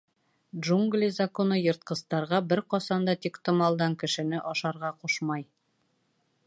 Джунгли законы йыртҡыстарға бер ҡасан да тиктомалдан кешене ашарға ҡушмай.